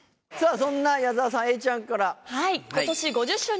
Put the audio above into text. そんな矢沢さん永ちゃんから。